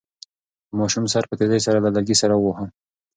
د ماشوم سر په تېزۍ سره له لرګي سره وواهه.